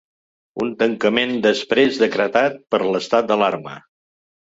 Un tancament després decretat per l’estat d’alarma.